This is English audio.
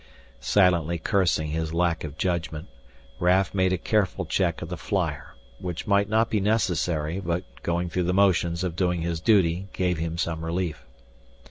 Silently cursing his lack of judgment, Raf made a careful check of the flyer, which might not be necessary but going through the motions of doing his duty gave him some relief.